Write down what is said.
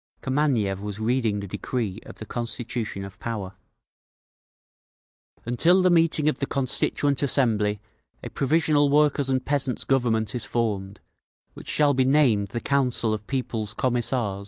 Kameniev was reading the decree of the Constitution of Power: Until the meeting of the Constituent Assembly, a provisional Workers' and Peasants' Government is formed, which shall be named the Council of People's Commissars.